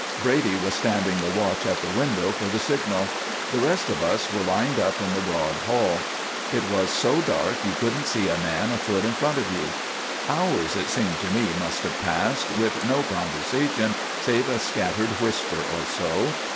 Brady was standing the watch at the window for the signal. The rest of us were lined up in the broad hall. It was so dark you couldn't see a man a foot in front of you. Hours it seemed to me must have passed, with no conversation save a scattered whisper or so.